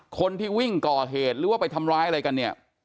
คนที่วิ่งก่อเหตุหรือว่าไปทำร้ายอะไรกันเนี่ย